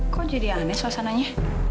kok jadi aneh suasananya